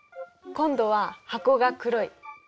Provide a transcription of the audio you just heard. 今度は箱が黒い。